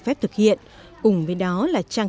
phép thực hiện cùng với đó là trang